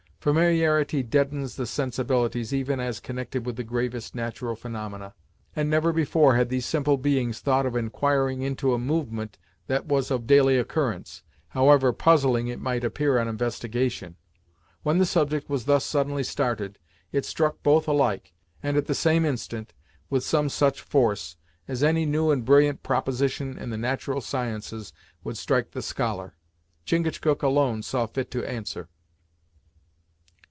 Familiarity deadens the sensibilities even as connected with the gravest natural phenomena, and never before had these simple beings thought of enquiring into a movement that was of daily occurrence, however puzzling it might appear on investigation. When the subject was thus suddenly started, it struck both alike, and at the same instant, with some such force, as any new and brilliant proposition in the natural sciences would strike the scholar. Chingachgook alone saw fit to answer.